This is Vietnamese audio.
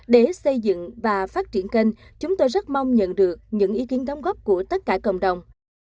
để xây dựng và phát triển kênh chúng tôi rất mong nhận được những ý kiến đóng góp của tất cả cộng đồng